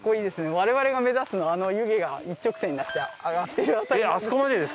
我々が目指すのは、あの湯気が一直線になって上がっている辺りなんです。